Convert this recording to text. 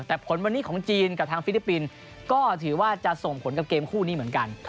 แต่ผลวันนี้ของจีนกับทางฟิลิปปินส์ก็ถือว่าจะส่งผลกับเกมคู่นี้เหมือนกัน